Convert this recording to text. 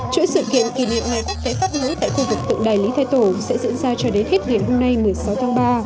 chuỗi sự kiện kỷ niệm ngày quốc tế pháp ngữ tại khu vực tượng đài lý thái tổ sẽ diễn ra cho đến hết ngày hôm nay một mươi sáu tháng ba